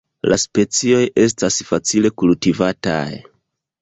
La specioj estas facile kultivataj.